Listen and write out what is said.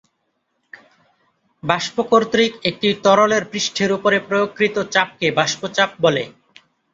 বাষ্প কর্তৃক একটি তরলের পৃষ্ঠের উপরে প্রয়োগকৃত চাপকে বাষ্প চাপ বলে।